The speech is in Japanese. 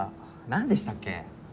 なんでしたっけ？